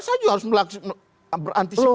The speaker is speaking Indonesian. saya juga harus berantisipasi